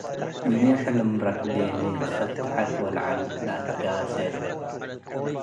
ሚ ሕልም ረክቤኒ - ሰብ ተሐት ወሰብ ለዐል ለአትጋሴ